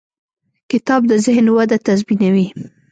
کتاب د ذهن وده تضمینوي.